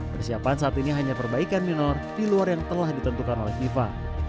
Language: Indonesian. persiapan saat ini hanya perbaikan minor di luar yang telah ditentukan oleh fifa